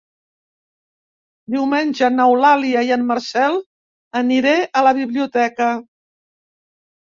Diumenge n'Eulàlia i en Marcel aniré a la biblioteca.